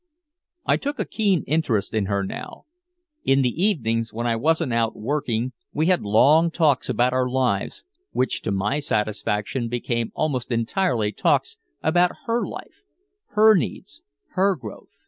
I took a keen interest in her now. In the evenings when I wasn't out working we had long talks about our lives, which to my satisfaction became almost entirely talks about her life, her needs, her growth.